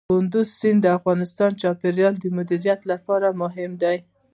کندز سیند د افغانستان د چاپیریال د مدیریت لپاره مهم دی.